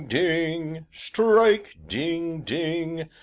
ding! Strike! ding! ding!